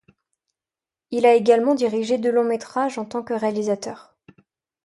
Il a également dirigé deux longs métrages en tant que réalisateur.